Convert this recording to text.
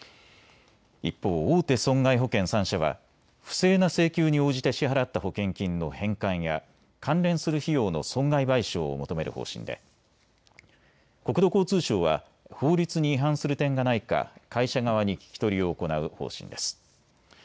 一方、大手損害保険３社は不正な請求に応じて支払った保険金の返還や、関連する費用の損害賠償を求める方針で国土交通省は法律に違反する点がないか会社側に聞き取りを行う方針です。